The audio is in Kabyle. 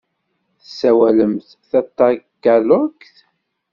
Tessawalemt tatagalogt?